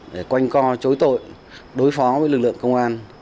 để quanh co chối tội đối phó với lực lượng công an